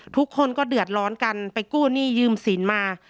ทุกคนก็เดือดร้อนกันไปกู้หนี้ยืมสินมา